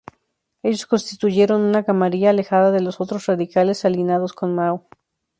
Ellos constituyeron una camarilla alejada de los otros radicales alineados con Mao.